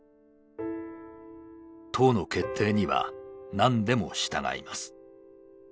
「党の決定にはなんでも従います」